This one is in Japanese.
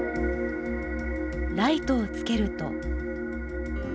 ライトをつけると。